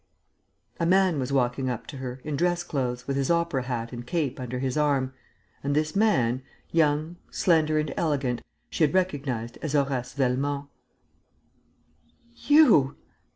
A man was walking up to her, in dress clothes, with his opera hat and cape under his arm, and this man, young, slender and elegant, she had recognized as Horace Velmont. "You!"